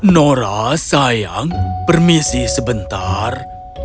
nora sayang permisi sebentar